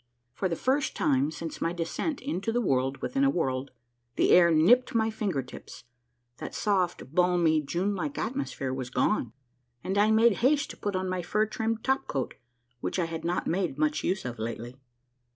For the first time since my descent into the World within a World, the air nipped my finger tips; that soft, balmy, June like atmosphere was gone, and I made haste to put on my fur trimmed top coat, which I had not made much use of lately.